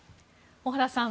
小原さん